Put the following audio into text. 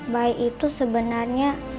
bayi itu sebenarnya